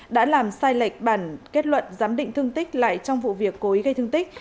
đã làm sai lệch bản kết luận giám định thương tích lại trong vụ việc cố ý gây thương tích